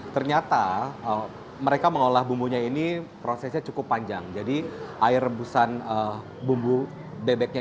ternyata mereka mengolah bumbunya ini prosesnya cukup panjang jadi air rebusan bumbu bebeknya